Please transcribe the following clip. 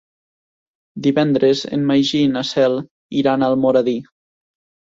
Divendres en Magí i na Cel iran a Almoradí.